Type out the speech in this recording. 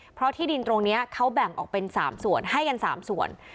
เพราะที่ดินตรงนี้เขาแบ่งออกเป็น๓ส่วนให้กัน๓ส่วน